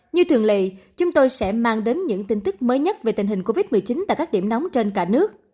như thường lệ chúng tôi sẽ mang đến những tin tức mới nhất về tình hình covid một mươi chín tại các điểm nóng trên cả nước